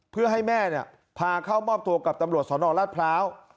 เพื่อให้แม่เนี่ยพาเข้ามอบโทรกับตำรวจสอนออกราชพร้าว